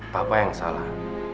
papa yang salah